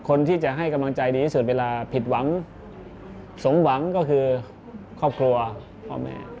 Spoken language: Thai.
คนที่จะให้กำลังใจดีที่สุดเวลาผิดหวังสมหวังก็คือครอบครัวพ่อแม่